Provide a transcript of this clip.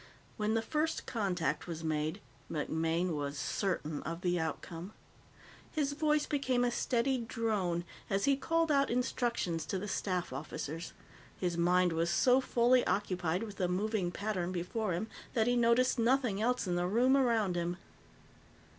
When the first contact was made, MacMaine was certain of the outcome. His voice became a steady drone as he called out instructions to the staff officers; his mind was so fully occupied with the moving pattern before him that he noticed nothing else in the room around him.